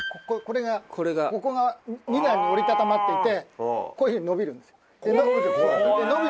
これがここが２段に折り畳まっていてこういうふうに伸びるんですよ。